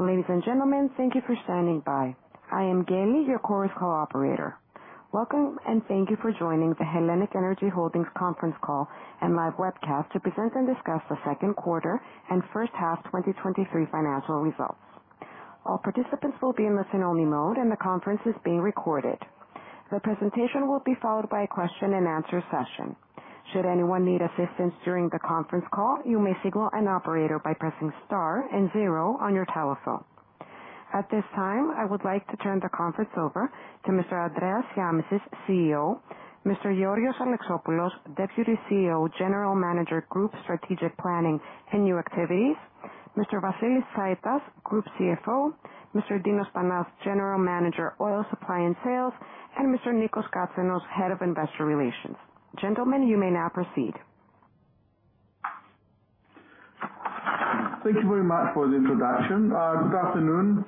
Ladies and gentlemen, thank you for standing by. I am Kelly, your Chorus Call operator. Welcome, and thank you for joining the HELLENiQ ENERGY Holdings conference call and live webcast to present and discuss the second quarter and first half 2023 financial results. All participants will be in listen-only mode, and the conference is being recorded. The presentation will be followed by a question and answer session. Should anyone need assistance during the conference call, you may signal an operator by pressing star and zero on your telephone. At this time, I would like to turn the conference over to Mr. Andreas Shiamishis, CEO, Mr. George Alexopoulos, Deputy CEO, General Manager, Group Strategic Planning and New Activities, Mr. Vasilis Tsaitas, Group CFO, Mr. Dinos Panas, General Manager, Oil Supply and Sales, and Mr. Nikos Katsenos, Head of Investor Relations. Gentlemen, you may now proceed. Thank you very much for the introduction. Good afternoon,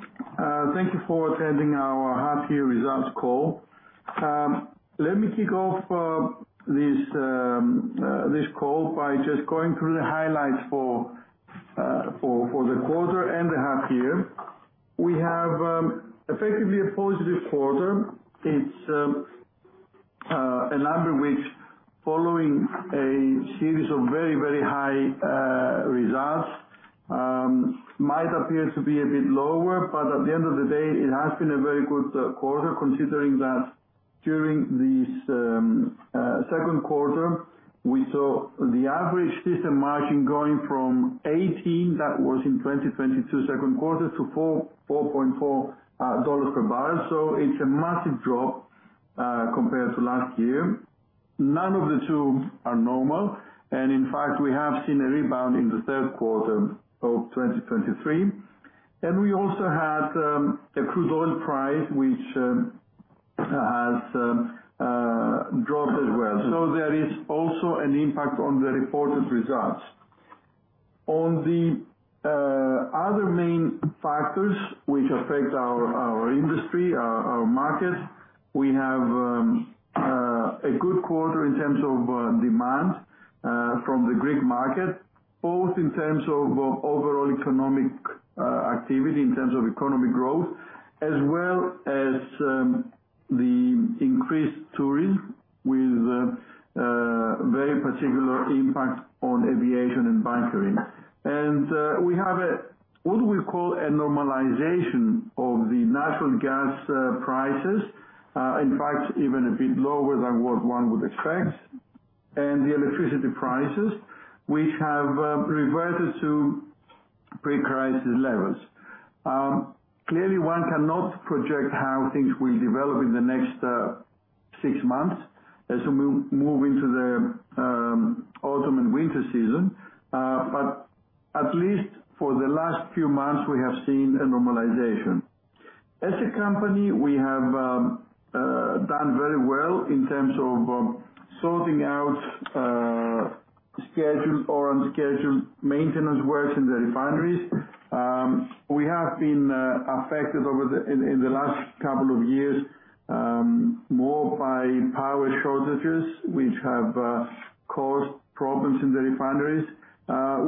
thank you for attending our half year results call. Let me kick off this call by just going through the highlights for the quarter and the half year. We have effectively a positive quarter. It's a number which following a series of very, very high results might appear to be a bit lower, but at the end of the day, it has been a very good quarter, considering that during this second quarter, we saw the average system margin going from 18, that was in 2022 second quarter, to $4.4 per barrel. So it's a massive drop compared to last year. None of the two are normal, and in fact, we have seen a rebound in the third quarter of 2023. We also had a crude oil price, which has dropped as well. So there is also an impact on the reported results. On the other main factors which affect our industry, our market, we have a good quarter in terms of demand from the Greek market, both in terms of overall economic activity, in terms of economy growth, as well as the increased tourism with very particular impact on aviation and bunkering. We have what we call a normalization of the natural gas prices, in fact, even a bit lower than what one would expect, and the electricity prices, which have reverted to pre-crisis levels. Clearly, one cannot project how things will develop in the next six months as we move into the autumn and winter season, but at least for the last few months, we have seen a normalization. As a company, we have done very well in terms of sorting out scheduled or unscheduled maintenance works in the refineries. We have been affected in the last couple of years more by power shortages, which have caused problems in the refineries.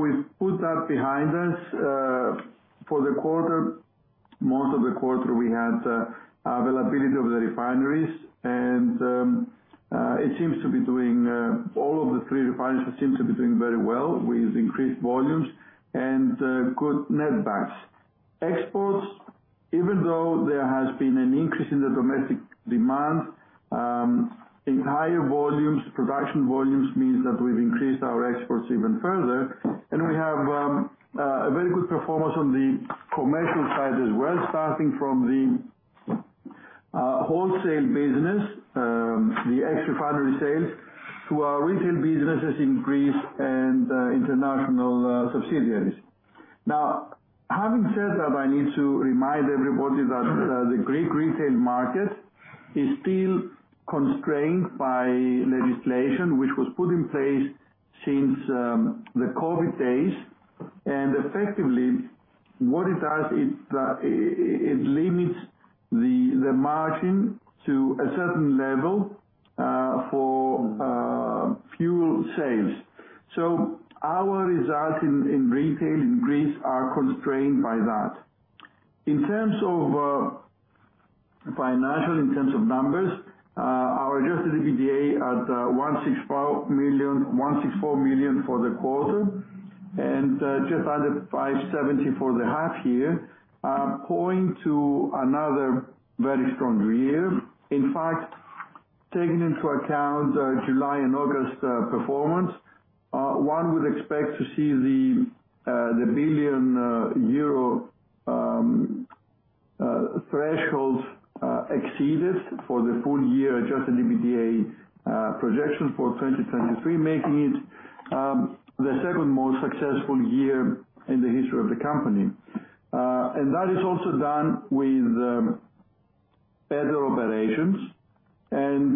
We've put that behind us for the quarter. Most of the quarter we had availability of the refineries and it seems to be doing all of the three refineries seem to be doing very well with increased volumes and good netbacks. Exports, even though there has been an increase in the domestic demand, in higher volumes, production volumes means that we've increased our exports even further. And we have a very good performance on the commercial side as well, starting from the wholesale business, the extra refinery sales to our retail businesses in Greece and international subsidiaries. Now, having said that, I need to remind everybody that the Greek retail market is still constrained by legislation which was put in place since the COVID days. And effectively, what it does is it limits the margin to a certain level for fuel sales. So our results in retail in Greece are constrained by that. In terms of financial, in terms of numbers, our adjusted EBITDA at 165 million, 164 million for the quarter, and just under 570 million for the half year, point to another very strong year. In fact, taking into account July and August performance, one would expect to see the billion euro thresholds exceeded for the full year adjusted EBITDA projections for 2023, making it the second most successful year in the history of the company. And that is also done with better operations and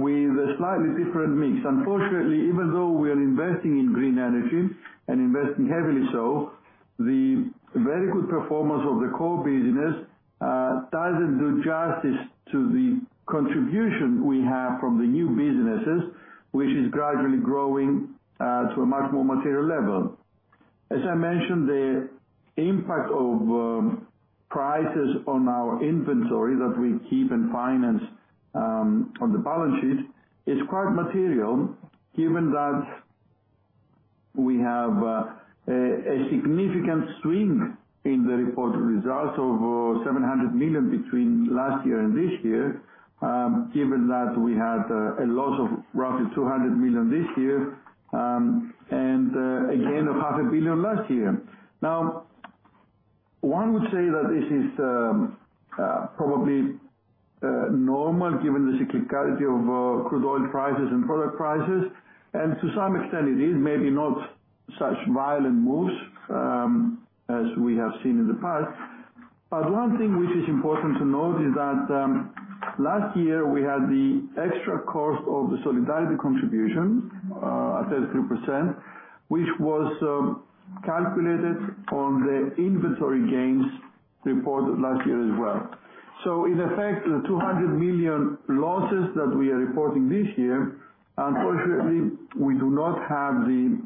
with a slightly different mix. Unfortunately, even though we are investing in green energy, and investing heavily so, the very good performance of the core business doesn't do justice to the contribution we have from the new businesses, which is gradually growing to a much more material level. As I mentioned, the impact of prices on our inventory that we keep and finance on the balance sheet is quite material, given that we have a significant swing in the reported results of 700 million between last year and this year. Given that we had a loss of roughly 200 million this year, and a gain of 500 million last year. Now, one would say that this is probably normal, given the cyclicality of crude oil prices and product prices, and to some extent it is, maybe not such violent moves as we have seen in the past. But one thing which is important to note is that last year we had the extra cost of the Solidarity Contribution at 33%, which was calculated on the inventory gains reported last year as well. So in effect, the 200 million losses that we are reporting this year, unfortunately, we do not have the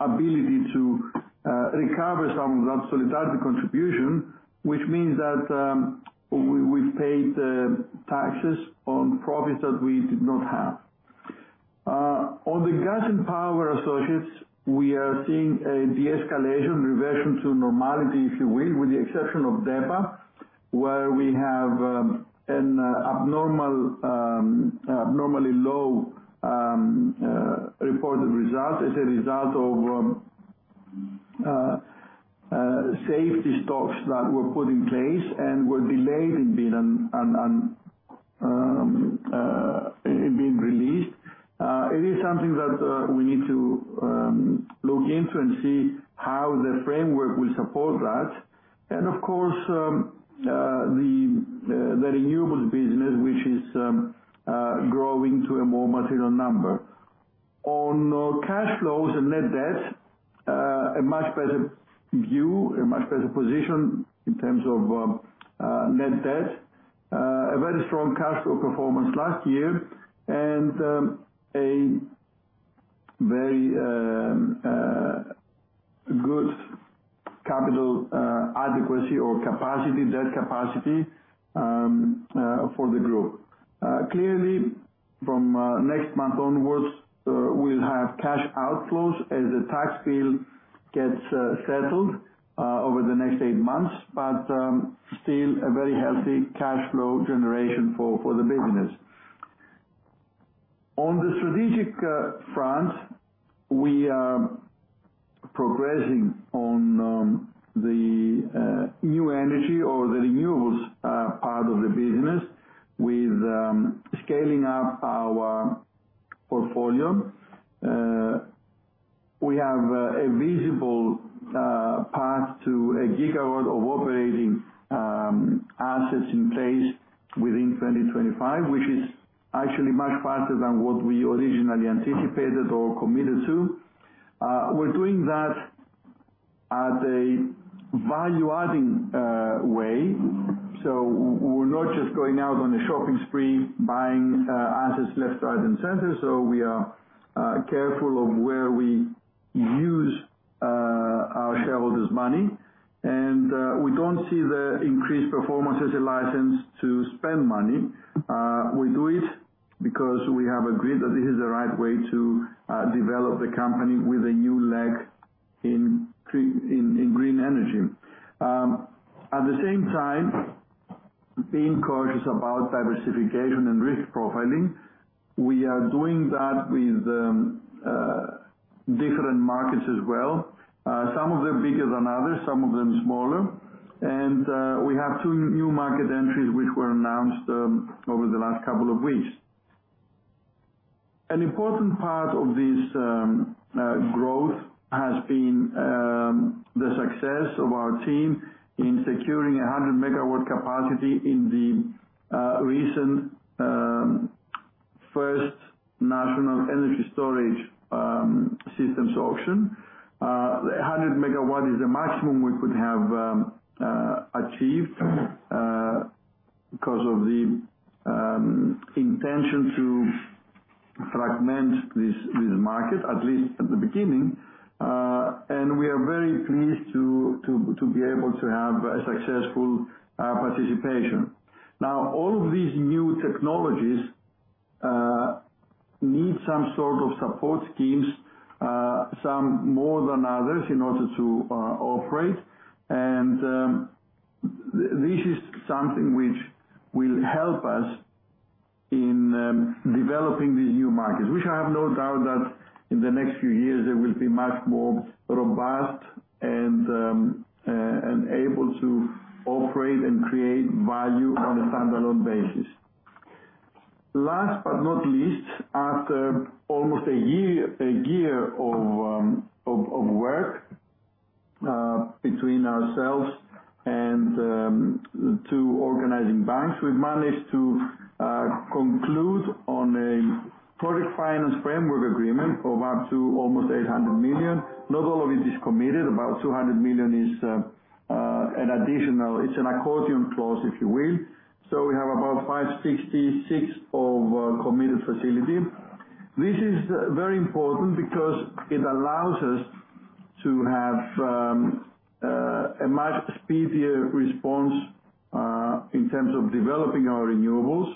ability to recover some of that Solidarity contribution. Which means that we've paid taxes on profits that we did not have. On the gas and power associates, we are seeing a de-escalation, reversion to normality, if you will, with the exception of DEPA, where we have an abnormally low reported result as a result of safety stocks that were put in place and were delayed in being released. It is something that we need to look into and see how the framework will support that. And of course, the renewables business, which is growing to a more material number. On cash flows and net debt, a much better view, a much better position in terms of net debt. A very strong cash flow performance last year, and a very good capital adequacy or capacity, debt capacity for the group. Clearly, from next month onwards, we'll have cash outflows as the tax bill gets settled over the next eight months, but still a very healthy cash flow generation for the business. On the strategic front, we are progressing on the new energy or the renewables part of the business, with scaling up our portfolio. We have a visible path to a GW of operating assets in place within 2025, which is actually much faster than what we originally anticipated or committed to. We're doing that at a value-adding way, so we're not just going out on a shopping spree, buying assets left, right, and center. So we are careful of where we use our shareholders' money, and we don't see the increased performance as a license to spend money. We do it because we have agreed that this is the right way to develop the company with a new leg in green energy. At the same time, being cautious about diversification and risk profiling, we are doing that with different markets as well. Some of them bigger than others, some of them smaller. We have two new market entries, which were announced over the last couple of weeks. An important part of this growth has been the success of our team in securing 100 MW capacity in the recent first National Energy Storage Systems auction. 100 MW is the maximum we could have achieved because of the intention to fragment this market, at least at the beginning. We are very pleased to be able to have a successful participation. Now, all of these new technologies need some sort of support schemes, some more than others, in order to operate. This is something which will help us in developing these new markets. Which I have no doubt that in the next few years, they will be much more robust and able to operate and create value on a standalone basis. Last but not least, after almost a year of work between ourselves and two organizing banks, we've managed to conclude on a project finance framework agreement of up to almost 800 million. Not all of it is committed, about 200 million is an additional, it's an accordion clause, if you will. So we have about 566 million of committed facility. This is very important because it allows us to have a much speedier response in terms of developing our renewables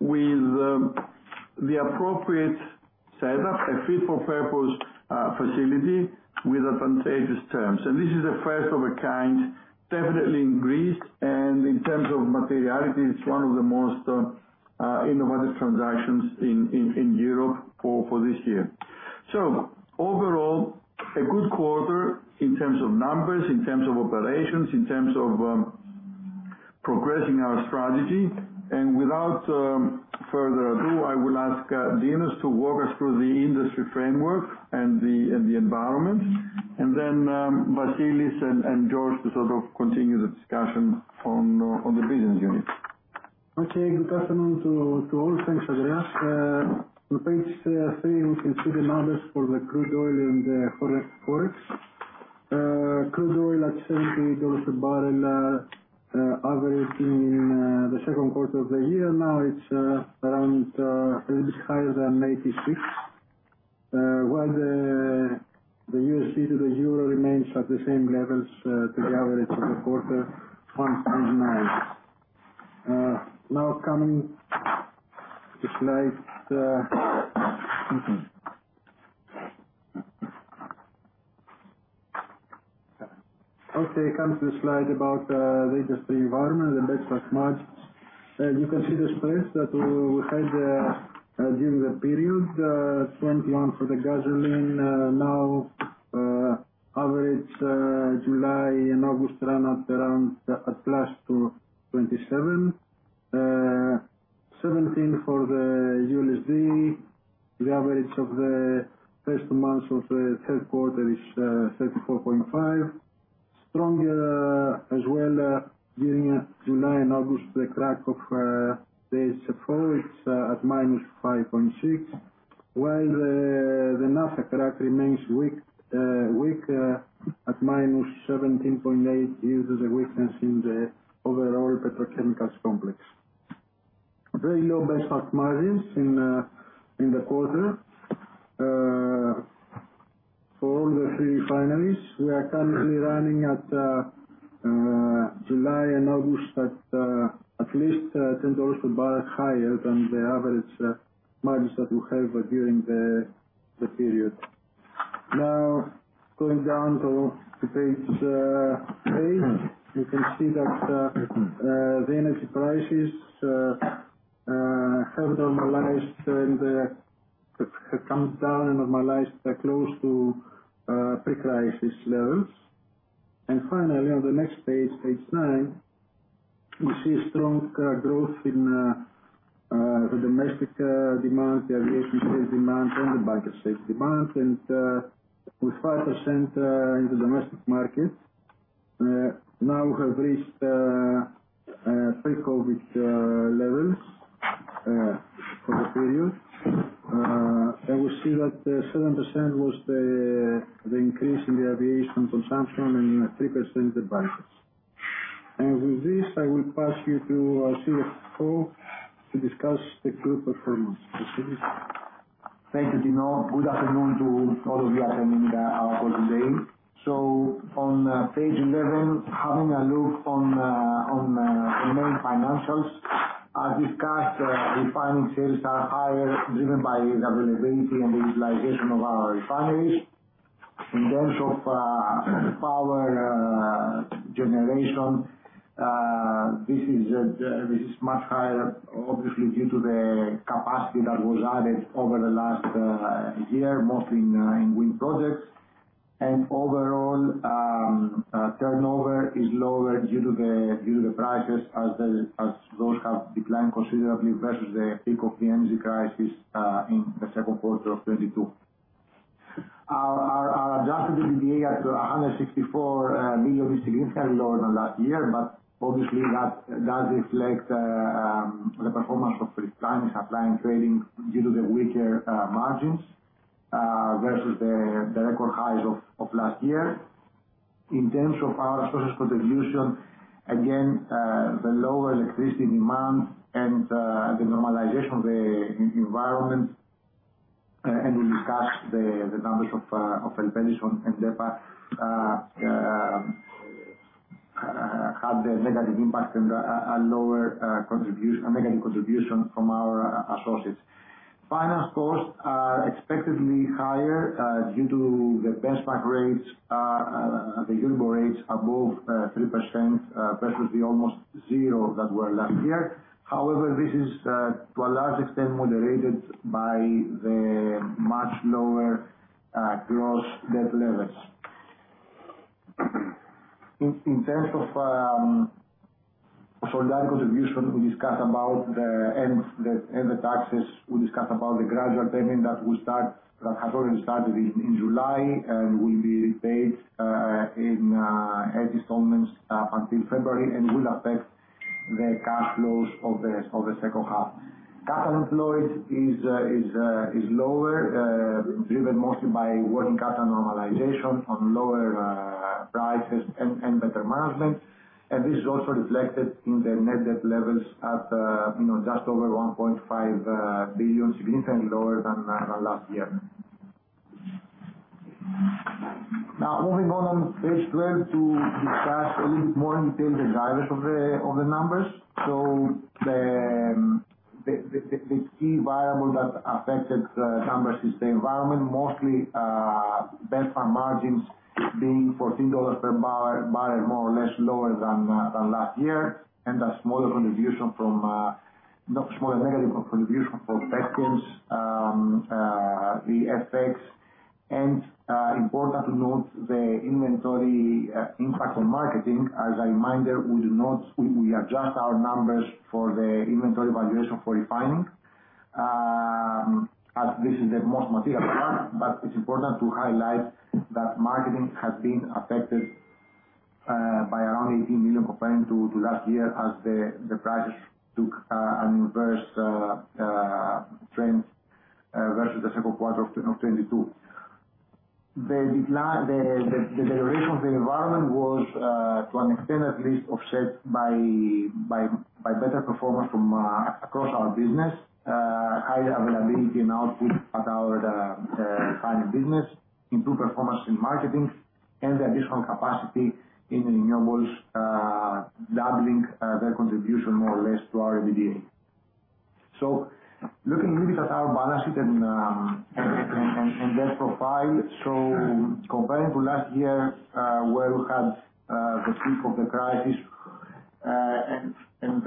with the appropriate setup, a fit for purpose facility with advantageous terms. And this is a first of a kind, definitely in Greece, and in terms of materiality, it's one of the most innovative transactions in Europe for this year. So overall, a good quarter in terms of numbers, in terms of operations, in terms of progressing our strategy. And without further ado, I will ask Dinos to walk us through the industry framework and the environment. And then Vasilis and George to sort of continue the discussion on the business units. Okay. Good afternoon to all. Thanks, Andreas. On page three, you can see the numbers for the crude oil and forex. Crude oil at $78 a barrel, average in the second quarter of the year. Now it's around a little bit higher than 86. While the USD to the euro remains at the same levels to the average of the quarter, 1.09. Now coming to slide. Okay, come to the slide about the industry environment, the benchmark margin. You can see the spread that we had during the period, $21 for the gasoline. Now average July and August run at around at +2 to $27. $17 for the diesel. The average of the first months of the third quarter is $34.5. Stronger, as well, during July and August, the crack of HFO is at -$5.6, while the naphtha crack remains weak at -$17.8 due to the weakness in the overall petrochemicals complex. Very low benchmark margins in the quarter. For all the three refineries, we are currently running at July and August, at least $10 a barrel higher than the average margins that we have during the period. Now, going down to page 8. You can see that the energy prices have normalized and have come down and normalized close to pre-crisis levels. Finally, on the next page, page nine, we see a strong growth in the domestic demand, the aviation demand and the bunkering demand. With 5% in the domestic markets, now we have reached pre-COVID levels for the period. I will see that 7% was the increase in the aviation consumption and 3% the bunkers. With this, I will pass you to our CFO to discuss the group performance. Vasilis? Thank you, Dino. Good afternoon to all of you attending our call today. On page 11, having a look on the main financials. As discussed, refining sales are higher, driven by the availability and utilization of our refineries. In terms of power generation, this is much higher, obviously, due to the capacity that was added over the last year, mostly in wind projects. Overall, turnover is lower due to the prices as those have declined considerably versus the peak of the energy crisis in the second quarter of 2022. Our Adjusted EBITDA of 164 million is significantly lower than last year, but obviously, that does reflect the performance of refining, supplying, trading due to the weaker margins versus the record highs of last year. In terms of our source contribution, again, the lower electricity demand and the normalization of the environment, and we discussed the numbers of Elpedison and DEPA, had a negative impact and a negative contribution from our associates. Finance costs are expectedly higher due to the benchmark rates, the Euribor rates above 3%, versus the almost zero that were last year. However, this is, to a large extent, moderated by the much lower net debt levels. In terms of contribution we discussed about the end the taxes, we discussed about the gradual payment that has already started in July and will be paid in installments until February, and will affect the cash flows of the second half. Capital employed is lower, driven mostly by working capital normalization on lower prices and better management. This is also reflected in the net debt levels at, you know, just over 1.5 billion, significantly lower than last year. Now, moving on page 12 to discuss a little bit more in detail the drivers of the numbers. So the key variable that affected the numbers is the environment, mostly, benchmark margins being $14 per barrel, more or less lower than last year. And a smaller contribution from, not smaller negative contribution from volumes, the FX. And important to note, the inventory impact on marketing. As a reminder, we do not, we adjust our numbers for the inventory valuation for refining, as this is the most material part. But it's important to highlight that marketing has been affected by around 18 million compared to last year as the prices took an adverse trend versus the second quarter of 2022. The decline, the deterioration of the environment was to an extent at least offset by better performance from across our business, high availability and output at our refining business, improved performance in marketing, and the additional capacity in renewables, doubling their contribution more or less to our EBITDA. So looking a little bit at our balance sheet and net debt profile. So comparing to last year, where we had the peak of the crisis, and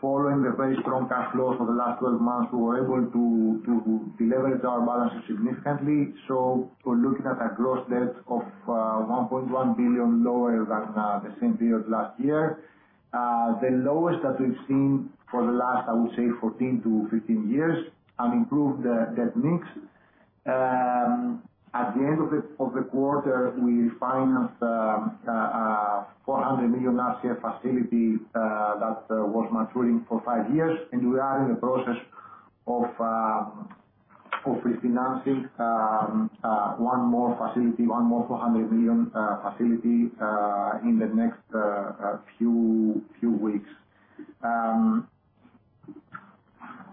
following the very strong cash flow for the last 12 months, we were able to deleverage our balance sheet significantly. So we're looking at a gross debt of 1.1 billion lower than the same period last year. The lowest that we've seen for the last, I would say, 14-15 years, and improved debt mix. At the end of the quarter, we financed 400 million last year facility that was maturing for five years, and we are in the process of refinancing one more facility, one more 400 million facility in the next few weeks.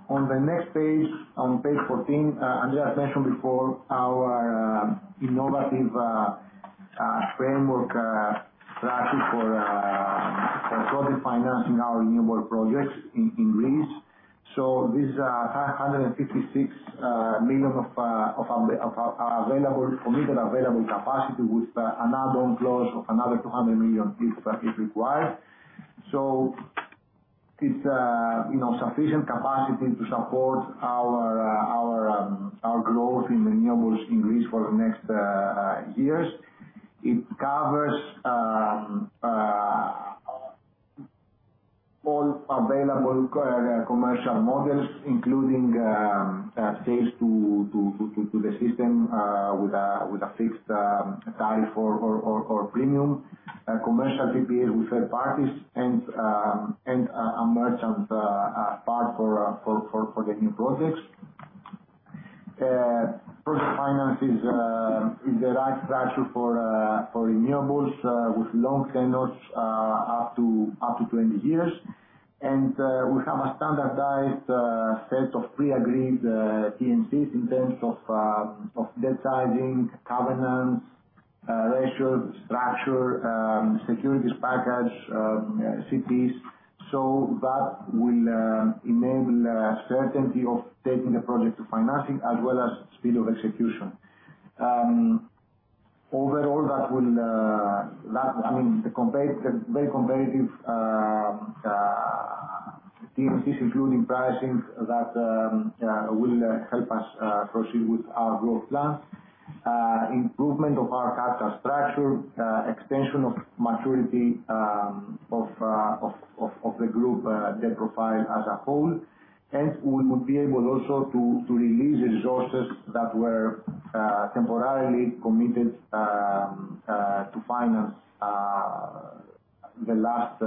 On the next page, on page 14, Andreas mentioned before our innovative framework structure for project financing our renewable projects in Greece. So this 156 million of undrawn available committed capacity with another clause of another 200 million if required. So it's, you know, sufficient capacity to support our growth in renewables in Greece for the next years. It covers all available commercial models, including sales to the system with a fixed tariff or premium. Commercial PPA with third parties and a merchant part for the new projects. Project finance is the right structure for renewables with long tenures up to 20 years. And we have a standardized set of pre-agreed T&Cs in terms of debt sizing, governance, ratio, structure, securities package, etc. So that will enable certainty of taking the project to financing as well as speed of execution. Overall, that will, that, I mean, the competitive, very competitive, T&Cs, including pricing, that, will help us proceed with our growth plans. Improvement of our capital structure, extension of maturity of the group debt profile as a whole. And we would be able also to release resources that were temporarily committed to finance the last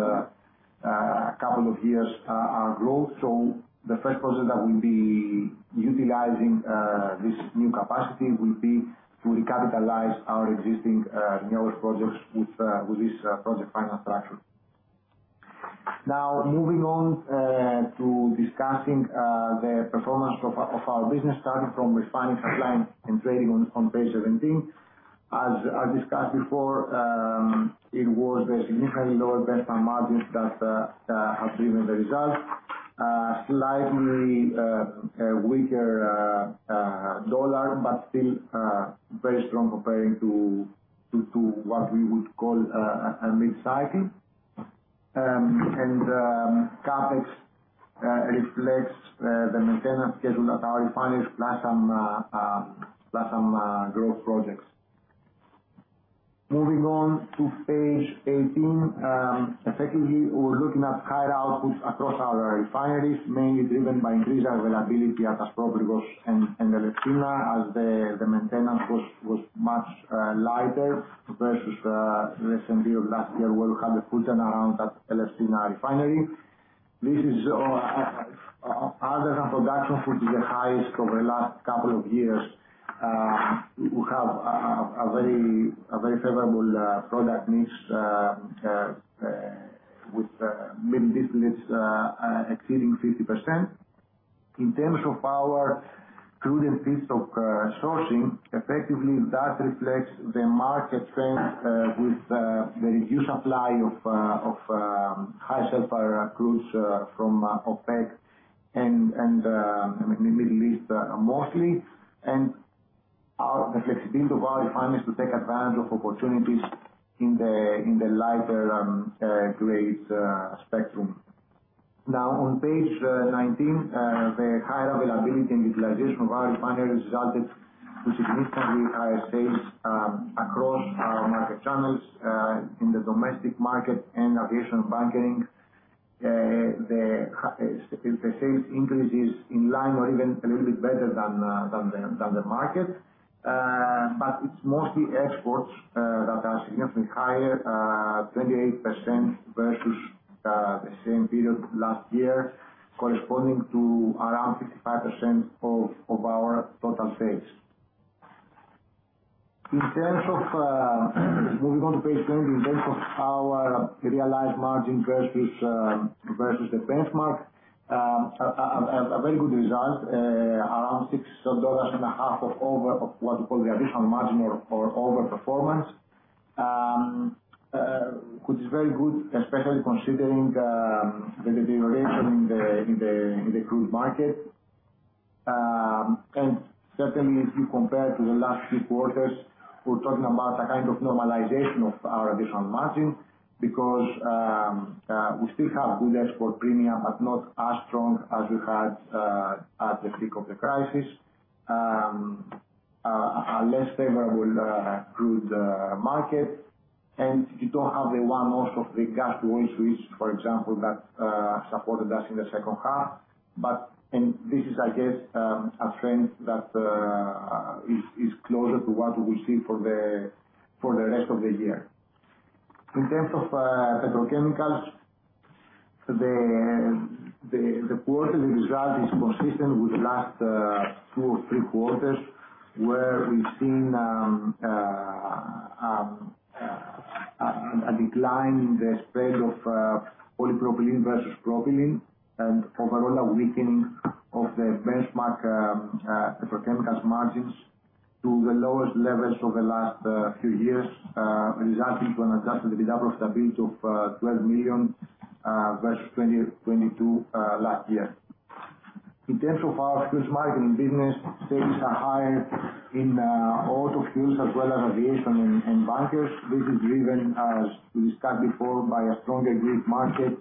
couple of years our growth. So the first project that we'll be utilizing this new capacity will be to recapitalize our existing newer projects with this project finance structure. Now, moving on to discussing the performance of our business, starting from refining, supplying, and trading on page 17. As discussed before, it was significantly lower benchmark margins that have driven the results. Slightly weaker dollar, but still very strong comparing to what we would call a mid-cycle. And CapEx reflects the maintenance schedule at our refineries, plus some growth projects. Moving on to page 18, effectively, we're looking at higher outputs across our refineries, mainly driven by increased availability at Aspropyrgos and Elefsina, as the maintenance was much lighter versus the same period of last year, where we had a turnaround at that Elefsina refinery. This is other than production, which is the highest over the last couple of years, we have a very favorable product mix with middle distillates exceeding 50%. In terms of our crude and feedstock sourcing, effectively, that reflects the market trend with the reduced supply of high sulfur crude from OPEC and the Middle East, mostly. And the flexibility of our refineries to take advantage of opportunities in the lighter grade spectrum. Now, on page 19, the higher availability and utilization of our refineries resulted in significantly higher sales across our market channels in the domestic market and aviation bunkering. The high sales increases in line or even a little bit better than the market. But it's mostly exports that are significantly higher, 28% versus the same period last year, corresponding to around 55% of our total sales. In terms of moving on to page 20, in terms of our realized margin versus the benchmark, a very good result, around $6.5 of over what we call the additional margin or overperformance. Which is very good, especially considering the variation in the crude market. Certainly, if you compare to the last few quarters, we're talking about a kind of normalization of our additional margin, because we still have good export premium, but not as strong as we had at the peak of the crisis, a less favorable crude market. And you don't have the warm off of the gas oil switch, for example, that supported us in the second half. But this is, I guess, a trend that is closer to what we will see for the rest of the year. In terms of petrochemicals, the quarter result is consistent with last two or three quarters, where we've seen a decline in the spread of polypropylene versus propylene. And overall, a weakening of the benchmark, petrochemicals margins to the lowest levels over the last, few years, resulting to an Adjusted EBITDA of stability of, 12 million, versus 2022 last year. In terms of our fuels marketing business, sales are higher in, auto fuels as well as aviation and bunkers. This is driven, as we discussed before, by a stronger Greek market,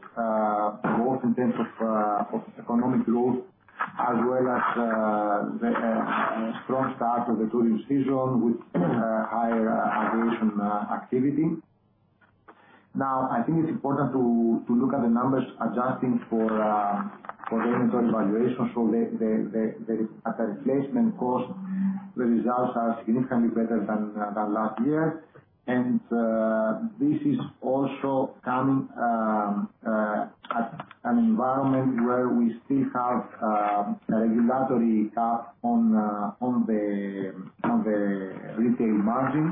both in terms of, of economic growth as well as, the, strong start of the tourism season with, higher aviation, activity. Now, I think it's important to look at the numbers adjusting for, for inventory valuation. So, at the replacement cost, the results are significantly better than, than last year. This is also coming at an environment where we still have a regulatory cap on the retail margin,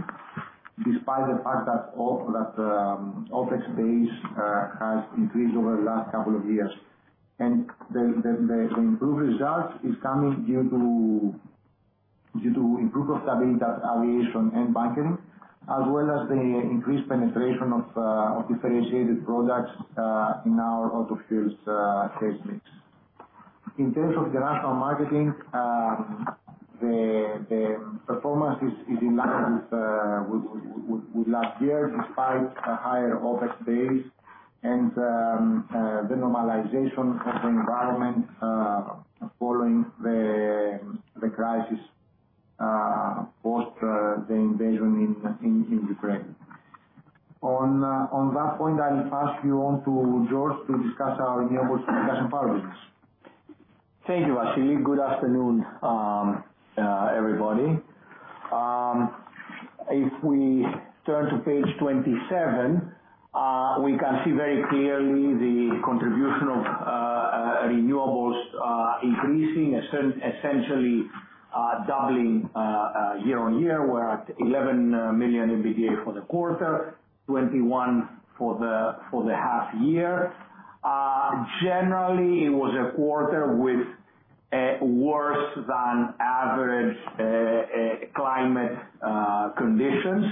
despite the fact that all that OpEx base has increased over the last couple of years. The improved results is coming due to improved stability at aviation and bunkering, as well as the increased penetration of differentiated products in our auto fuels sales mix. In terms of the national marketing, the performance is in line with last year, despite a higher OpEx base and the normalization of the environment following the crisis post the invasion in Ukraine. On that point, I'll pass you on to George to discuss our renewables business. Thank you, Vasilis. Good afternoon, everybody. If we turn to page 27, we can see very clearly the contribution of renewables increasing, essentially doubling year-over-year. We're at 11 million EBITDA for the quarter, 21 for the half year. Generally, it was a quarter with worse than average climate conditions.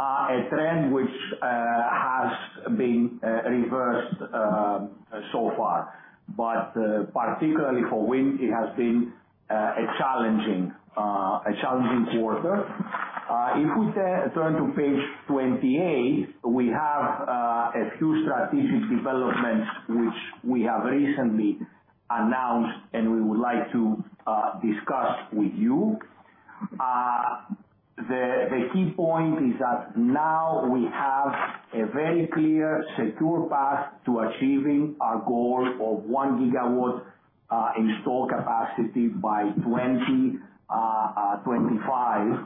A trend which has been reversed so far. But, particularly for wind, it has been a challenging quarter. If we turn to page 28. We have a few strategic developments which we have recently announced, and we would like to discuss with you. The key point is that now we have a very clear, secure path to achieving our goal of 1 GW installed capacity by 2025.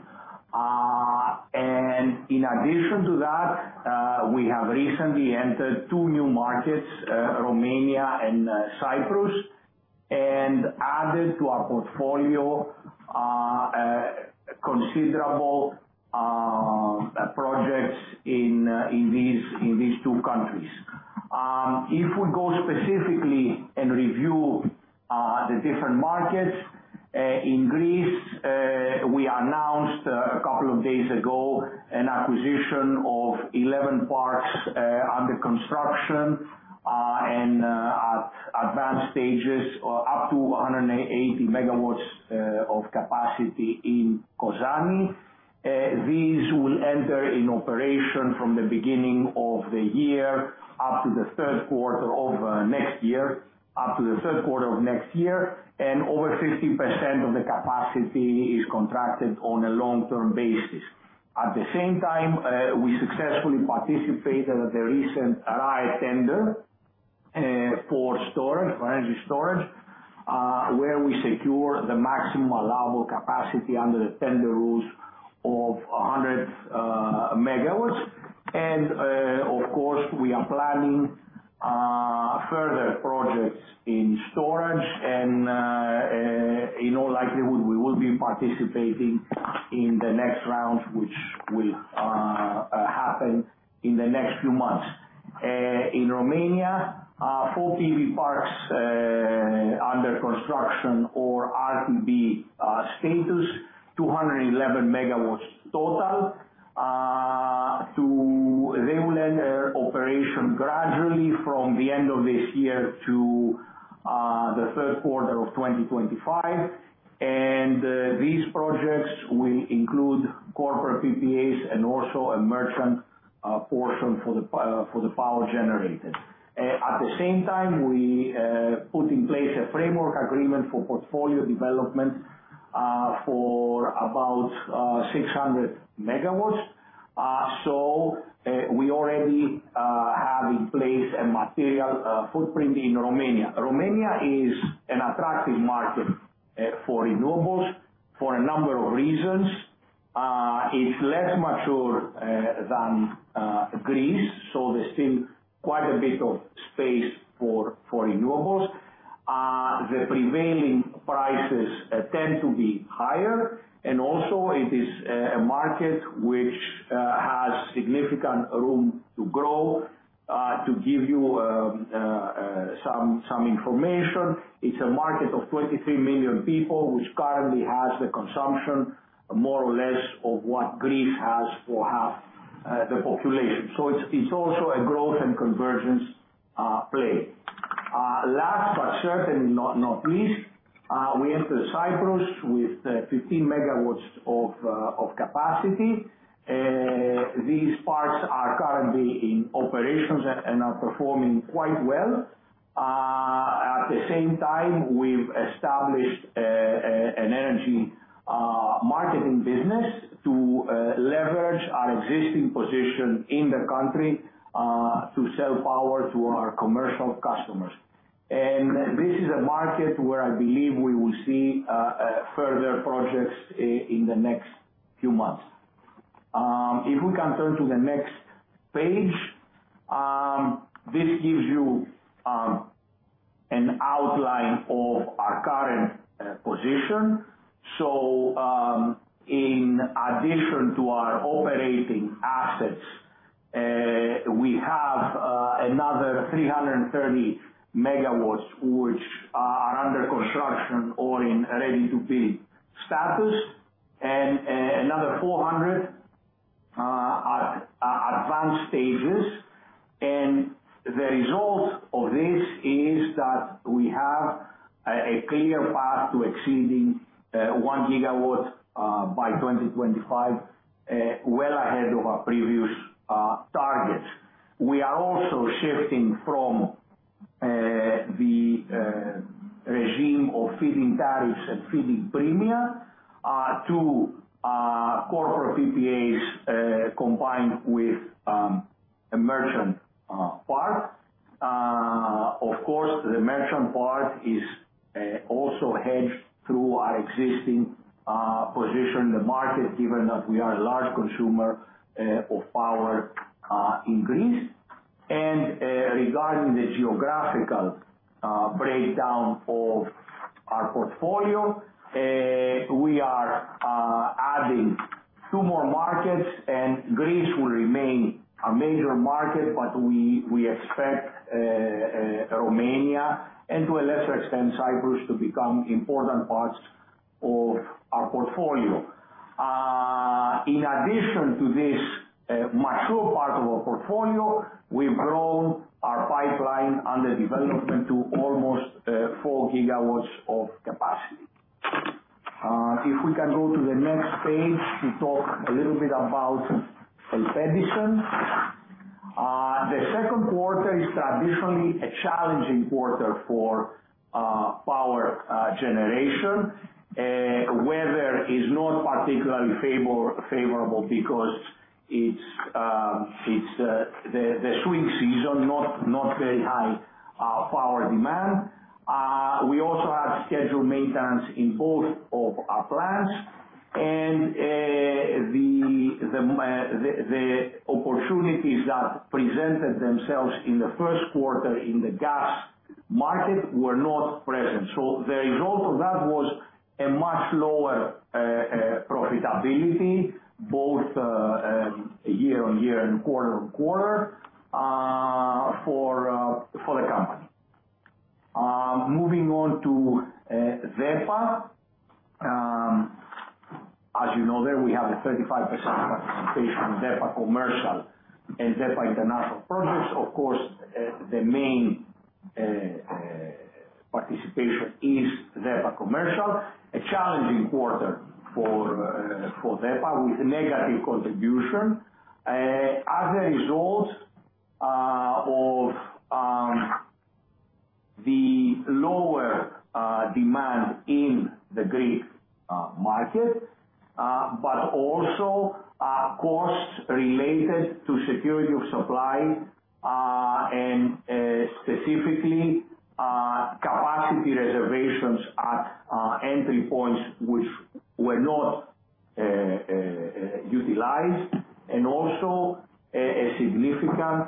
And in addition to that, we have recently entered two new markets, Romania and Cyprus, and added to our portfolio considerable projects in these two countries. If we go specifically and review the different markets in Greece, we announced a couple of days ago an acquisition of 11 parks under construction and at advanced stages, or up to 180 MW of capacity in Kozani. These will enter in operation from the beginning of the year, up to the third quarter of next year, up to the third quarter of next year, and over 50% of the capacity is contracted on a long-term basis. At the same time, we successfully participated at the recent RAE tender for storage, for energy storage, where we secure the maximum allowable capacity under the tender rules of 100 MW. And, of course, we are planning further projects in storage, and in all likelihood, we will be participating in the next round, which will happen in the next few months. In Romania, four PV parks under construction or are to be status, 211 MW total. They will enter operation gradually from the end of this year to the third quarter of 2025, and these projects will include corporate PPAs and also a merchant portion for the power generated. At the same time, we put in place a framework agreement for portfolio development for about 600 MW. So, we already have in place a material footprint in Romania. Romania is an attractive market for renewables for a number of reasons. It's less mature than Greece, so there's still quite a bit of space for renewables. The prevailing prices tend to be higher, and also it is a market which has significant room to grow. To give you some information, it's a market of 23 million people, which currently has the consumption, more or less, of what Greece has for half the population. So it's also a growth and convergence play. Last, but certainly not least, we entered Cyprus with 15 MW of capacity. These parks are currently in operations and are performing quite well. At the same time, we've established an energy marketing business to leverage our existing position in the country to sell power to our commercial customers. And this is a market where I believe we will see further projects in the next few months. If we can turn to the next page, this gives you an outline of our current position. So, in addition to our operating assets, we have another 330 MW, which are under construction or in ready-to-build status, and another 400 advanced stages. The result of this is that we have a clear path to exceeding 1 GW by 2025, well ahead of our previous targets. We are also shifting from the regime of feed-in tariffs and feed-in premium to corporate PPAs combined with a merchant part. Of course, the merchant part is also hedged through our existing position in the market, given that we are a large consumer of power in Greece. Regarding the geographical breakdown of our portfolio, we are adding two more markets, and Greece will remain a major market, but we expect Romania, and to a lesser extent, Cyprus, to become important parts of our portfolio. In addition to this mature part of our portfolio, we've grown our pipeline under development to almost four GWs of capacity. If we can go to the next page, to talk a little bit about ELPEDISON. The second quarter is traditionally a challenging quarter for power generation. Weather is not particularly favorable because it's the swing season, not very high power demand. We also have scheduled maintenance in both of our plants, and the opportunities that presented themselves in the first quarter in the gas market were not present. So the result of that was a much lower profitability, both year-over-year and quarter-over-quarter, for the company. Moving on to DEPA. As you know, there we have a 35% participation in DEPA Commercial and DEPA International Projects. Of course, the main participation is DEPA Commercial. A challenging quarter for DEPA, with a negative contribution. As a result of the lower demand in the Greek market, but also costs related to security of supply, and specifically capacity reservations at entry points, which were not utilized, and also a significant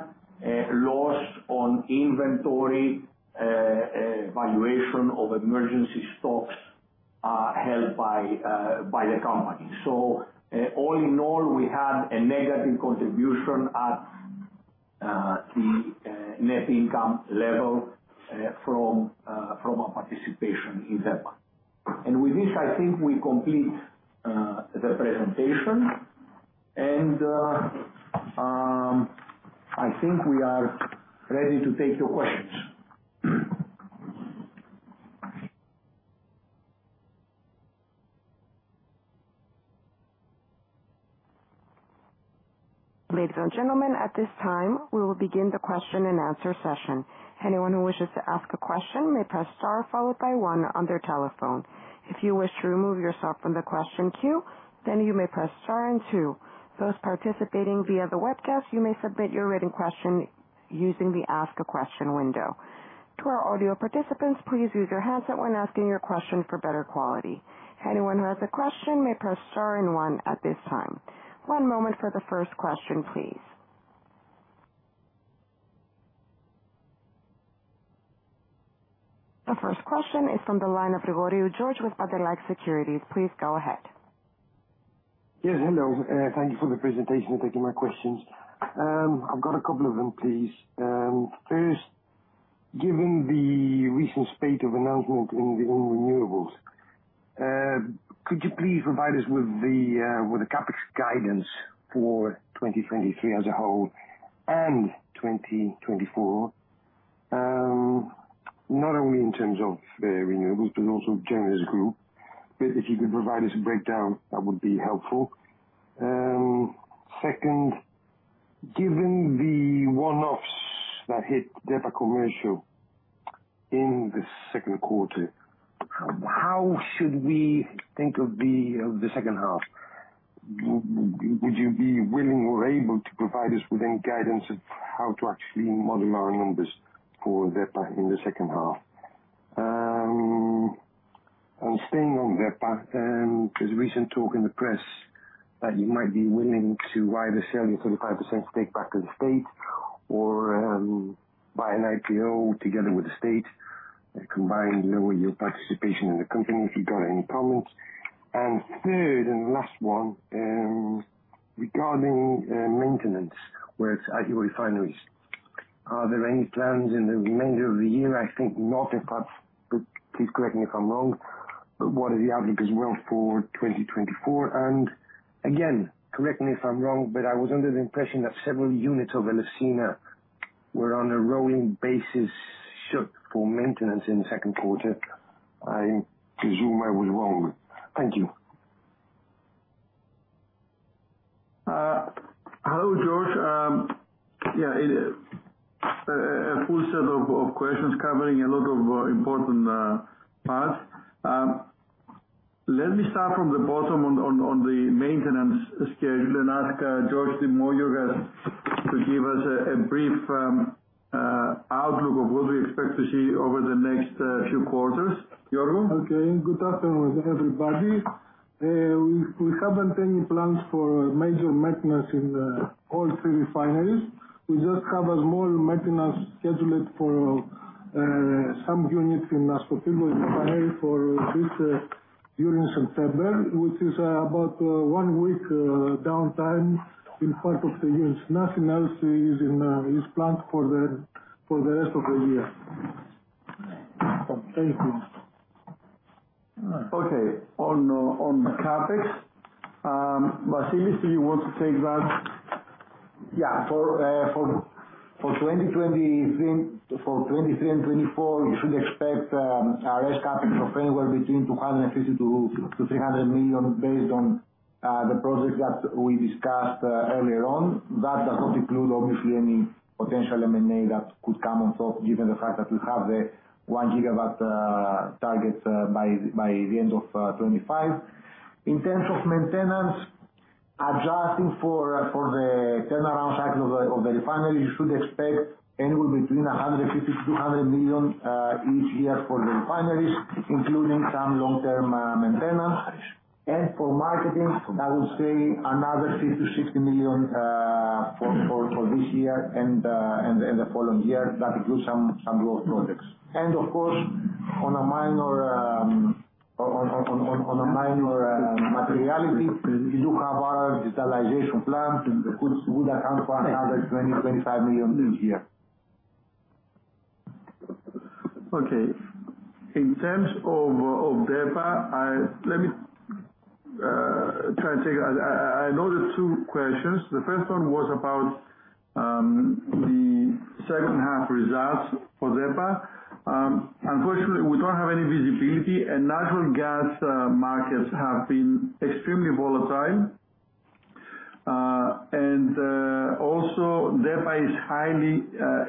loss on inventory valuation of emergency stocks held by the company. So, all in all, we had a negative contribution at the net income level from our participation in DEPA. And with this, I think we complete the presentation. And I think we are ready to take your questions. Ladies and gentlemen, at this time, we will begin the question and answer session. Anyone who wishes to ask a question may press star followed by one on their telephone. If you wish to remove yourself from the question queue, then you may press star and two. Those participating via the webcast, you may submit your written question using the Ask a Question window. To our audio participants, please use your headset when asking your question for better quality. Anyone who has a question may press star and one at this time. One moment for the first question, please. The first question is from the line of George Grigoriou with Pantelakis Securities. Please go ahead. Yes, hello, thank you for the presentation, and thank you my questions. I've got a couple of them, please. First, given the recent spate of announcement in renewables, could you please provide us with the CapEx guidance for 2023 as a whole, and 2024? Not only in terms of renewables, but also general as a group. But if you could provide us a breakdown, that would be helpful. Second, given the one-offs that hit DEPA Commercial in the second quarter, how should we think of the second half? Would you be willing or able to provide us with any guidance of how to actually model our numbers for DEPA in the second half? And staying on DEPA, there's recent talk in the press that you might be willing to either sell your 35% stake back to the state or by an IPO together with the state, and combine, you know, your participation in the company, if you've got any comments. And third, and last one, regarding maintenance where it's at your refineries. Are there any plans in the remainder of the year? I think not, in part, but please correct me if I'm wrong, but what is the outlook as well for 2024? And again, correct me if I'm wrong, but I was under the impression that several units of Hellenic were on a rolling basis, shut for maintenance in the second quarter. I assume I was wrong. Thank you. Hello, George. Yeah, a full set of questions covering a lot of important parts. Let me start from the bottom on the maintenance schedule and ask George Dimogiorgas to give us a brief outlook of what we expect to see over the next few quarters. Yiorgo? Okay. Good afternoon, everybody. We haven't any plans for major maintenance in all three refineries. We just have a small maintenance scheduled for some units in Aspropyrgos and Elefsina for this during September, which is about one week downtime in part of the units. Nothing else is planned for the rest of the year. Thank you. Okay, on, on the CapEx, Vasilis, do you want to take that? Yeah, for 2023, for 2023 and 2024, you should expect our CapEx of anywhere between 250-300 million based on the project that we discussed earlier on. That does not include obviously any potential M&A that could come on top, given the fact that we have the 1 GW targets by the end of 2025. In terms of maintenance, adjusting for the turnaround cycle of the refinery, you should expect anywhere between 150-200 million each year for the refineries, including some long-term maintenance. And for marketing, I would say another 50-60 million for this year and the following year, that include some growth projects. And of course, on a minor materiality, we do have our digitization plan, which would account for another 20-25 million this year. Okay. In terms of DEPA, let me try to take it. I know there are two questions. The first one was about the second half results for DEPA. Unfortunately, we don't have any visibility, and natural gas markets have been extremely volatile. And also, DEPA is highly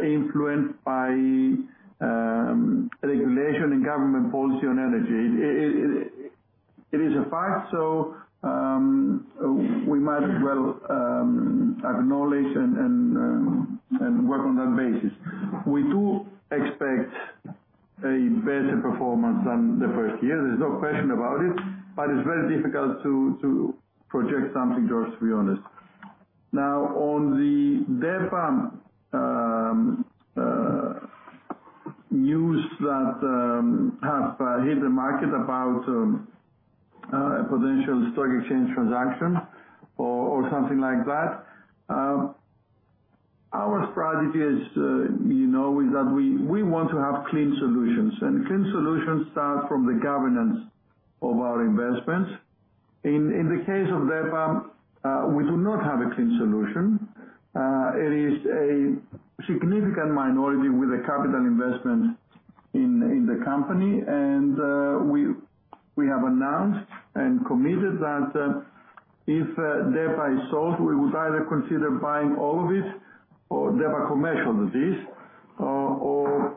influenced by regulation and government policy on energy. It is a fact, so we might as well acknowledge and work on that basis. We do expect a better performance than the first year, there's no question about it, but it's very difficult to project something, George, to be honest. Now, on the DEPA news that have hit the market about a potential stock exchange transaction or something like that, our strategy is, you know, is that we want to have clean solutions. Clean solutions start from the governance of our investments. In the case of DEPA, we do not have a clean solution. It is a significant minority with a capital investment in the company, and we have announced and committed that if DEPA is sold, we would either consider buying all of it or DEPA Commercial or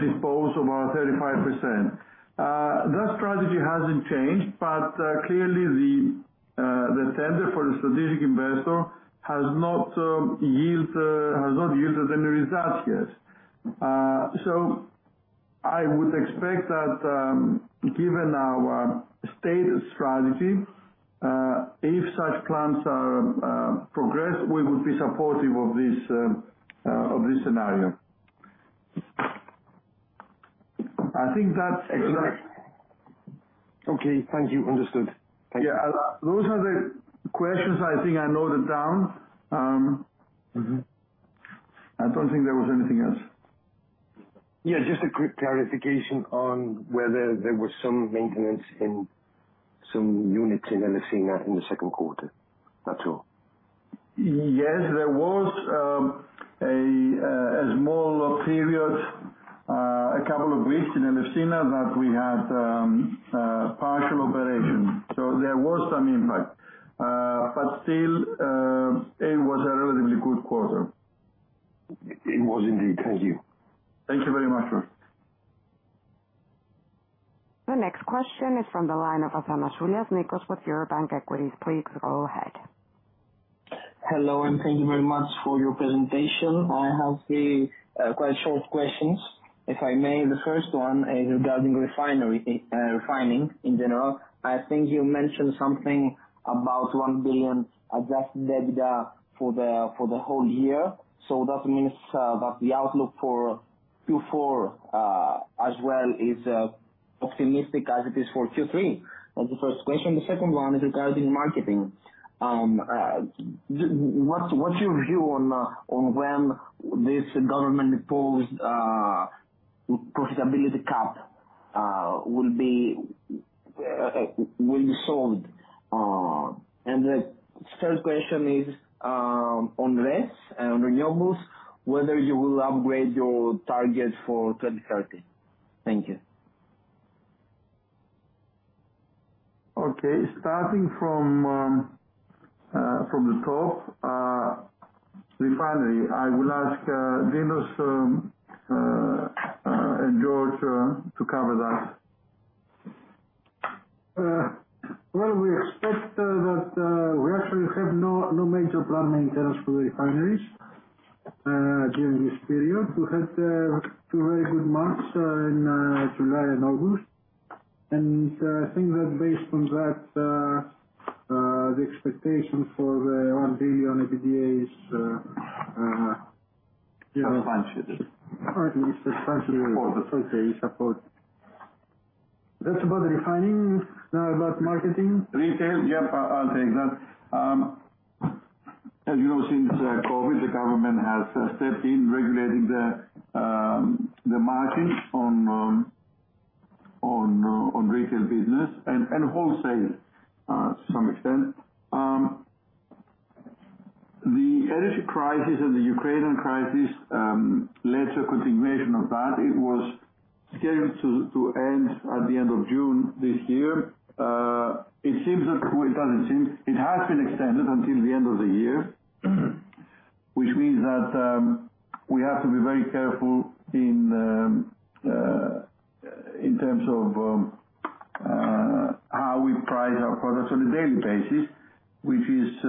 dispose of our 35%. That strategy hasn't changed, but clearly the tender for the strategic investor has not yielded any results yet. So I would expect that, given our stated strategy, if such plans are progress, we would be supportive of this, of this scenario. I think that's- Okay, thank you. Understood. Thank you. Yeah. Those are the questions I think I noted down. Mm-hmm. I don't think there was anything else. Yeah, just a quick clarification on whether there was some maintenance in some units in Elefsina in the second quarter. That's all. Yes, there was a small period, a couple of weeks in Elefsina that we had partial operation. So there was some impact. But still, it was a relatively good quarter. It was indeed. Thank you. Thank you very much, sir. The next question is from the line of Nikos Athanasoulias with Eurobank Equities. Please go ahead. Hello, and thank you very much for your presentation. I have a quite short questions, if I may. The first one is regarding refinery, refining in general. I think you mentioned something about 1 billion Adjusted EBITDA for the whole year. So that means that the outlook for Q4 as well is optimistic as it is for Q3. That's the first question. The second one is regarding marketing. What's your view on when this government imposed profitability cap will be solved? And the third question is on RES, on renewables, whether you will upgrade your targets for 2030. Thank you. Okay. Starting from the top, refinery, I will ask Dinos and George to cover that. Well, we expect that we actually have no major plan maintenance for the refineries during this period. We had two very good months in July and August. And I think that based on that, the expectation for the 1 billion EBITDA is Advanced. Right, is advanced. Support. Okay, support. That's about the refining, now about marketing? Retail, yep, I'll take that. As you know, since COVID, the government has stepped in regulating the margins on retail business and wholesale, to some extent. The energy crisis and the Ukrainian crisis led to a continuation of that. It was scheduled to end at the end of June this year. It seems it has been extended until the end of the year. Which means that we have to be very careful in terms of how we price our products on a daily basis. Which is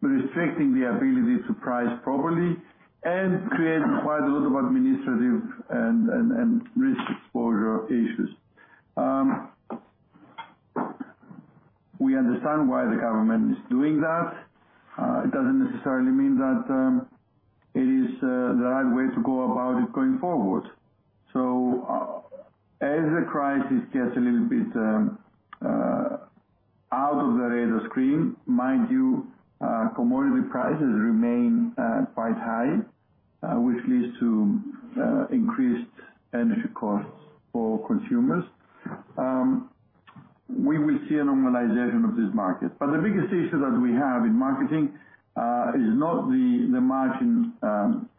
restricting the ability to price properly and creates quite a lot of administrative and risk exposure issues. We understand why the government is doing that. It doesn't necessarily mean that it is the right way to go about it going forward. So, as the crisis gets a little bit out of the radar screen, mind you, commodity prices remain quite high, which leads to increased energy costs for consumers. We will see a normalization of this market. But the biggest issue that we have in marketing is not the, the margin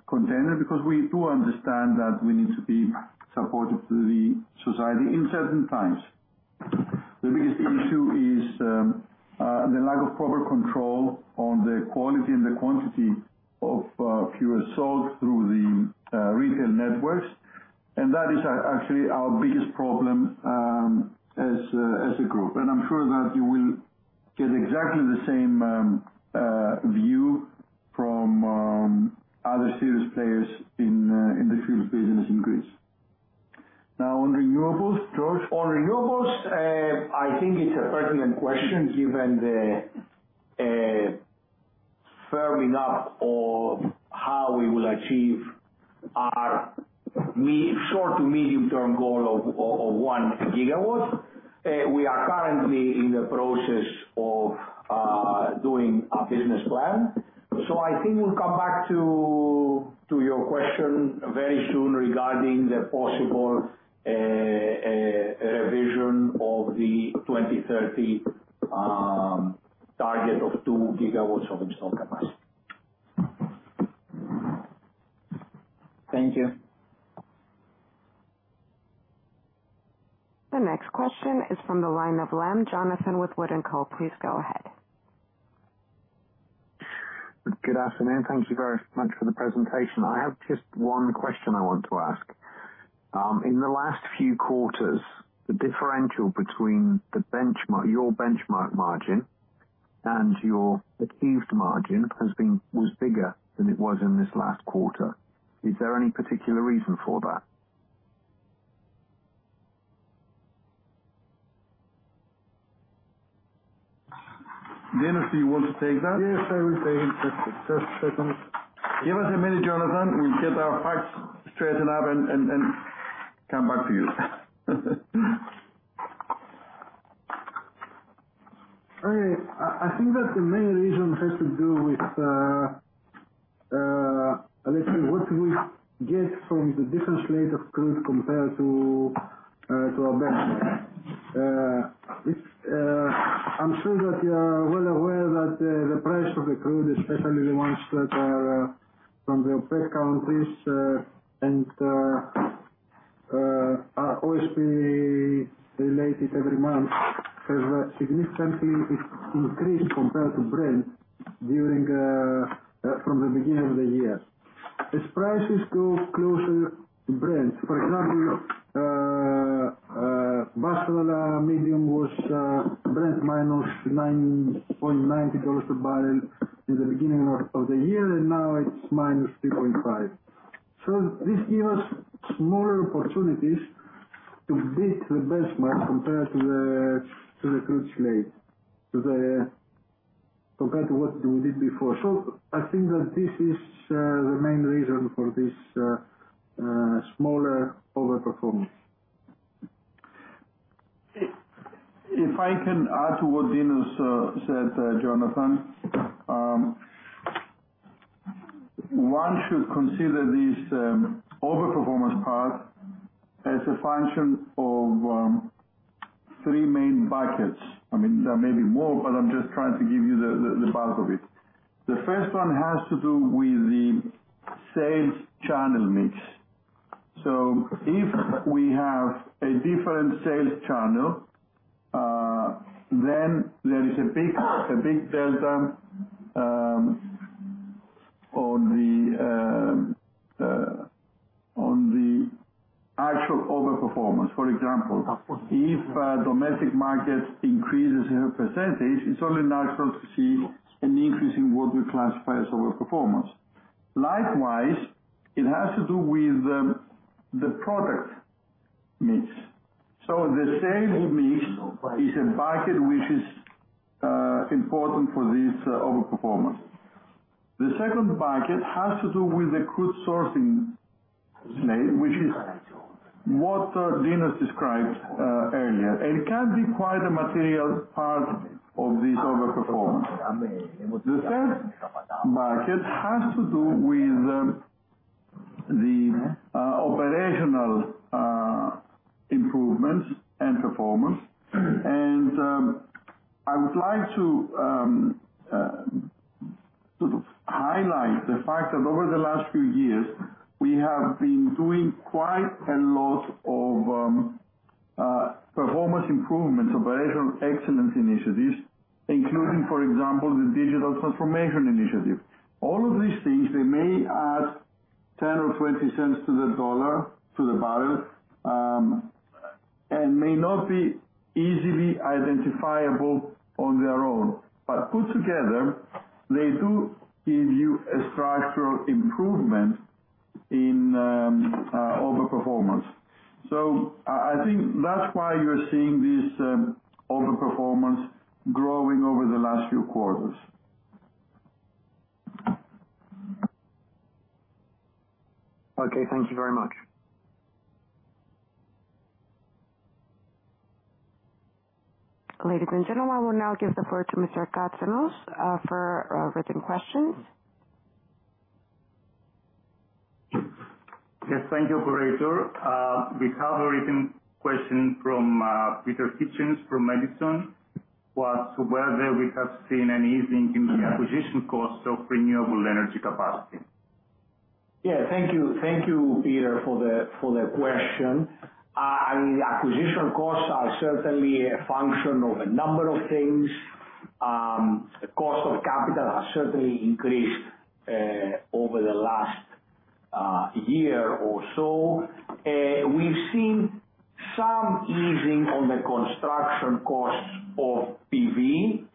container, because we do understand that we need to be supportive to the society in certain times. The biggest issue is the lack of proper control on the quality and the quantity of fuel sold through the retail networks, and that is actually our biggest problem, as a group. I'm sure that you will get exactly the same view from other serious players in the fuel business in Greece. Now, on renewables, George? On renewables, I think it's a pertinent question given the firming up of how we will achieve our short to medium-term goal of 1 GW. We are currently in the process of doing a business plan. So I think we'll come back to your question very soon regarding the possible revision of the 2030 target of 2 GW of installed capacity. Thank you. The next question is from the line of Jonathan Lamb with Wood & Co. Please go ahead. Good afternoon. Thank you very much for the presentation. I have just one question I want to ask. In the last few quarters, the differential between the benchmark, your benchmark margin, and your achieved margin has been, was bigger than it was in this last quarter. Is there any particular reason for that? Dinos, do you want to take that? Yes, I will take it. Just a second. Give us a minute, Jonathan. We'll get our facts straightened up and come back to you. I think that the main reason has to do with, let's say, what we get from the different slate of crude compared to our benchmark. It's, I'm sure that you are well aware that the price of the crude, especially the ones that are from the OPEC countries, and are always be related every month, has significantly increased compared to Brent from the beginning of the year. As prices go closer to Brent, for example, Basrah Medium was Brent minus $9.9 per barrel in the beginning of the year, and now it's minus $3.5. So this give us smaller opportunities to beat the benchmark compared to the crude slate compared to what we did before. I think that this is the main reason for this smaller overperformance. If I can add to what Dinos said, Jonathan. One should consider this overperformance part as a function of three main buckets. I mean, there may be more, but I'm just trying to give you the bulk of it. The first one has to do with the sales channel mix. So if we have a different sales channel, then there is a big delta on the actual overperformance. For example, if domestic market increases in a percentage, it's only natural to see an increase in what we classify as overperformance. Likewise, it has to do with the product mix. So the same mix is a bucket which is important for this overperformance. The second bucket has to do with the crude sourcing slate, which is what Dinos described earlier. It can be quite a material part of this overperformance. The third bucket has to do with the operational improvements and performance. I would like to sort of highlight the fact that over the last few years, we have been doing quite a lot of performance improvements, operational excellence initiatives, including, for example, the digital transformation initiative. All of these things, they may add $0.10 or $0.20 to the dollar, to the barrel, and may not be easily identifiable on their own, but put together, they do give you a structural improvement in overperformance. I think that's why you're seeing this overperformance growing over the last few quarters. Okay, thank you very much. Ladies and gentlemen, I will now give the floor to Mr. Katsanos for written questions. Yes, thank you, operator. We have a written question from Peter Hitchens, from Edison. Was whether we have seen anything in the acquisition cost of renewable energy capacity? Yeah, thank you. Thank you, Peter, for the question. The acquisition costs are certainly a function of a number of things. The cost of capital has certainly increased over the last year or so. We've seen some easing on the construction costs of PV,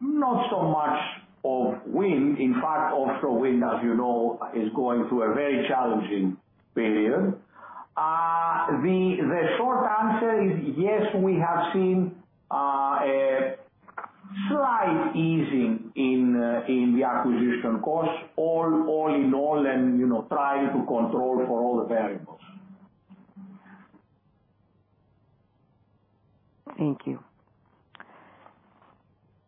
not so much of wind. In fact, offshore wind, as you know, is going through a very challenging period. The short answer is yes, we have seen a slight easing in the acquisition costs, all in all and, you know, trying to control for all the variables. Thank you.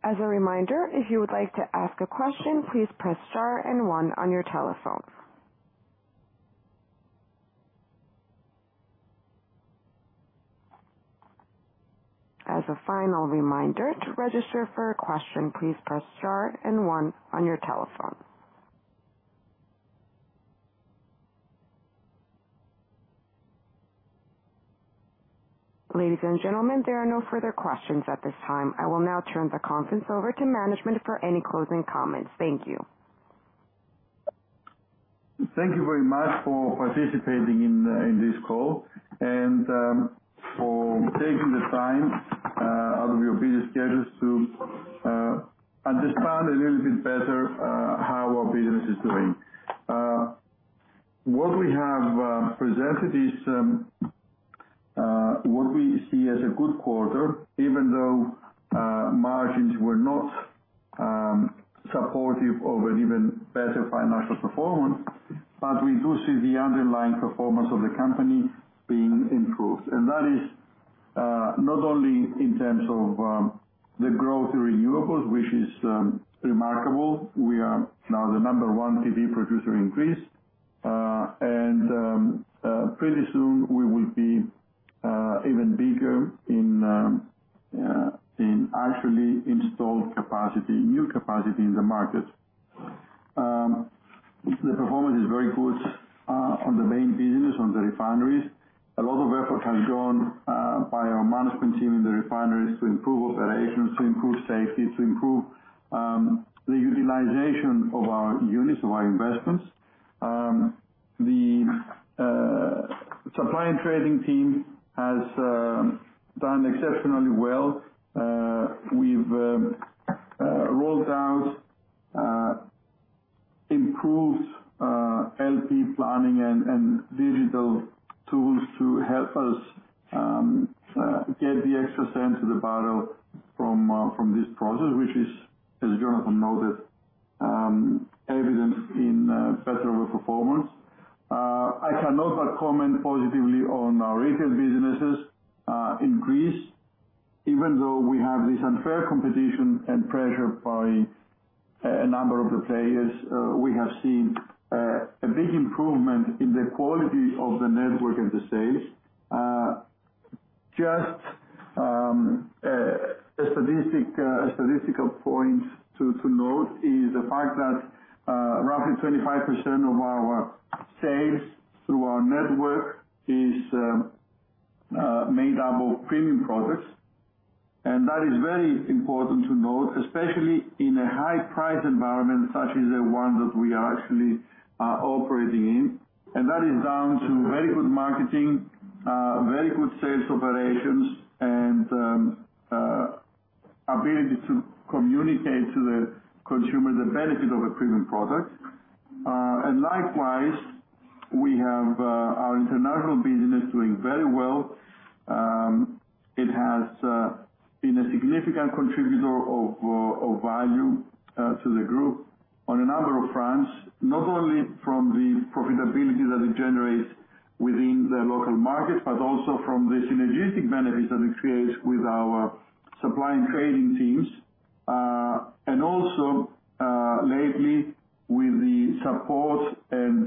As a reminder, if you would like to ask a question, please press star and one on your telephone. As a final reminder, to register for a question, please press star and one on your telephone. Ladies and gentlemen, there are no further questions at this time. I will now turn the conference over to management for any closing comments. Thank you. Thank you very much for participating in this call, and for taking the time out of your busy schedules to understand a little bit better how our business is doing. What we have presented is what we see as a good quarter, even though margins were not supportive of an even better financial performance. But we do see the underlying performance of the company being improved. And that is not only in terms of the growth in renewables, which is remarkable. We are now the number one PV producer in Greece. And pretty soon we will be even bigger in actually installed capacity, new capacity in the market. The performance is very good on the main business, on the refineries. A lot of effort has gone by our management team in the refineries to improve operations, to improve safety, to improve the utilization of our units, of our investments. The supply and trading team has done exceptionally well. We've rolled out improved LP planning and digital tools to help us get the extra cent to the barrel from this process, which is, as Jonathan noted, evident in better overperformance. I cannot but comment positively on our retail businesses in Greece, even though we have this unfair competition and pressure by a number of the players. We have seen a big improvement in the quality of the network and the sales. Just, a statistical point to note is the fact that, roughly 25% of our sales through our network is made up of premium products. And that is very important to note, especially in a high price environment such as the one that we are actually operating in. And that is down to very good marketing, very good sales operations, and ability to communicate to the consumer the benefit of a premium product. And likewise, we have our international business doing very well. It has been a significant contributor of value to the group on a number of fronts, not only from the profitability that it generates within the local market, but also from the synergistic benefits that it creates with our supply and trading teams. And also, lately, with the support and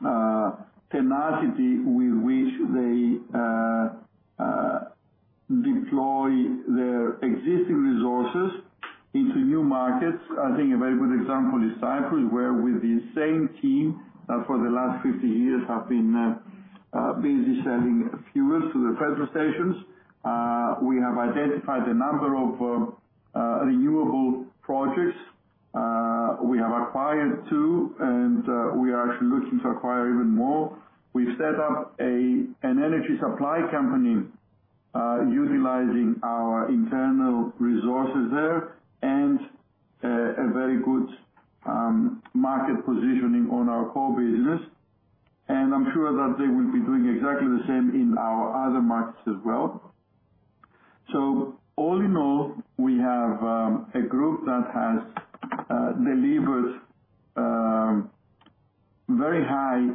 the tenacity with which they deploy their existing resources into new markets. I think a very good example is Cyprus, where with the same team that for the last 50 years have been busy selling fuels to the petrol stations. We have identified a number of renewable projects. We have acquired 2, and we are actually looking to acquire even more. We've set up an energy supply company utilizing our internal resources there, and a very good market positioning on our core business. And I'm sure that they will be doing exactly the same in our other markets as well. So all in all, we have a group that has delivered very high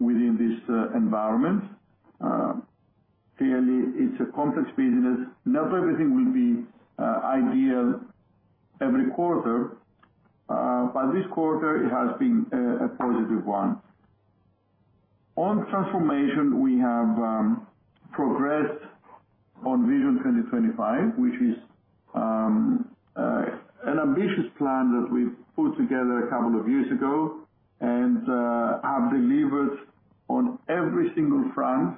within this environment. Clearly, it's a complex business. Not everything will be ideal every quarter, but this quarter it has been a positive one. On transformation, we have progressed on Vision 2025, which is an ambitious plan that we put together a couple of years ago and have delivered on every single front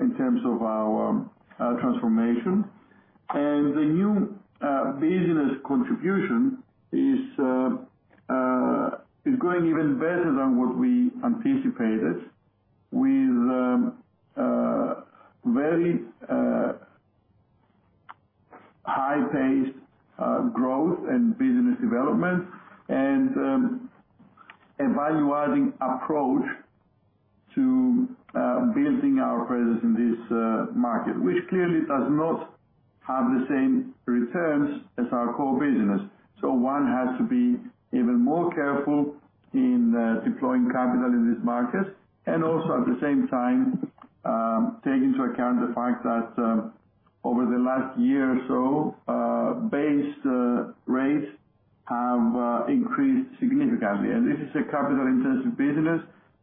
in terms of our transformation. And the new business contribution is going even better than what we anticipated with very high-paced growth and business development, and a valuing approach to building our presence in this market, which clearly does not have the same returns as our core business. One has to be even more careful in deploying capital in this market, and also, at the same time, take into account the fact that over the last year or so base rates have increased significantly. This is a capital-intensive business,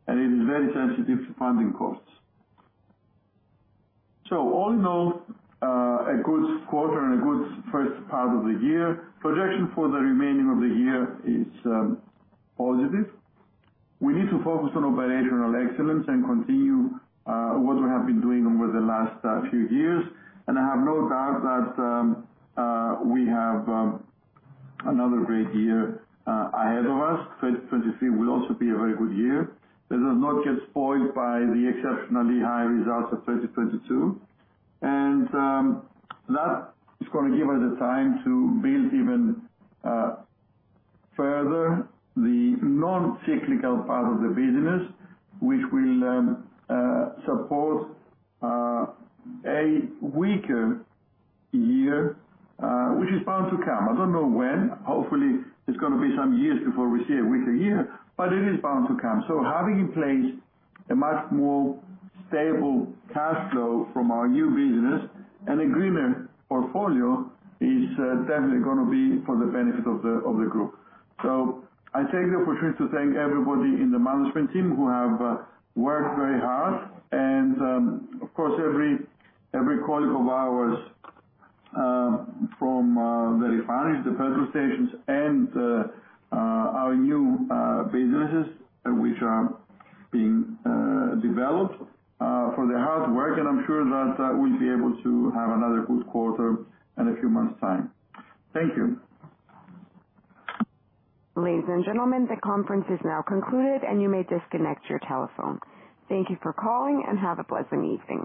and it is very sensitive to funding costs. So all in all, a good quarter and a good first part of the year. Projection for the remaining of the year is positive. We need to focus on operational excellence and continue what we have been doing over the last few years, and I have no doubt that we have another great year ahead of us. 2023 will also be a very good year. Let us not get spoiled by the exceptionally high results of 2022. That is gonna give us the time to build even further the non-cyclical part of the business, which will support a weaker year, which is bound to come. I don't know when. Hopefully, it's gonna be some years before we see a weaker year, but it is bound to come. So having in place a much more stable cash flow from our new business and a greener portfolio is definitely gonna be for the benefit of the group. So I take the opportunity to thank everybody in the management team who have worked very hard. And, of course, every colleague of ours from the refineries, the petrol stations, and our new businesses which are being developed for their hard work. I'm sure that we'll be able to have another good quarter in a few months' time. Thank you. Ladies and gentlemen, the conference is now concluded, and you may disconnect your telephone. Thank you for calling and have a pleasant evening.